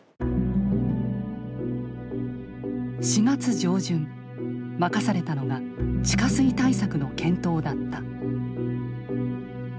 ４月上旬任されたのが地下水対策の検討だった。